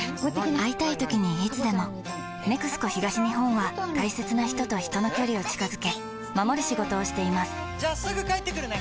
会いたいときにいつでも「ＮＥＸＣＯ東日本」は大切な人と人の距離を近づけ守る仕事をしていますじゃあすぐ帰ってくるね！